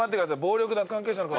「暴力団関係者の」